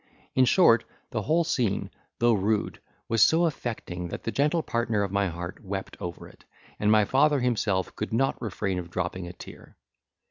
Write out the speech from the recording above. In short, the whole scene, though rude, was so affecting, that the gentle partner of my heart wept over it, and my father himself could not refrain from dropping a tear.